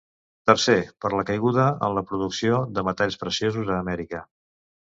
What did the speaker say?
Tercer, per la caiguda en la producció de metalls preciosos a Amèrica.